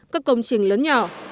các công trình lớn nhỏ